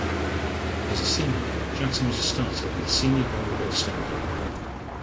As a senior, Jackson was a starter in the Senior Bowl All-Star Game.